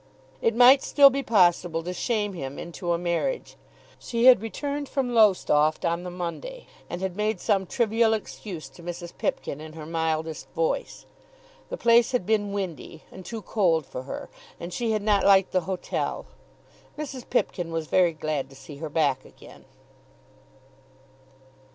It might still be possible to shame him into a marriage. She had returned from Lowestoft on the Monday, and had made some trivial excuse to Mrs. Pipkin in her mildest voice. The place had been windy, and too cold for her; and she had not liked the hotel. Mrs. Pipkin was very glad to see her back again.